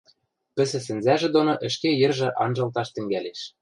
Пӹсӹ сӹнзӓжӹ доно ӹшке йӹржӹ анжылташ тӹнгӓлеш.